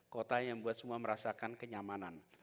kota yang buat semua merasakan kenyamanan